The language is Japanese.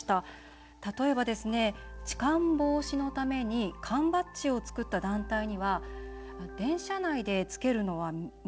例えば、痴漢防止のために缶バッジを作った団体には電車内でつけるのは見たくない。